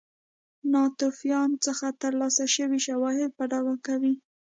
ناتوفیان څخه ترلاسه شوي شواهد په ډاګه کوي.